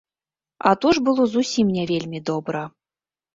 А то ж было зусім не вельмі добра.